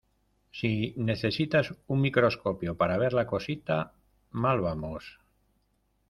si necesitas un microscopio para ver la cosita, mal vamos.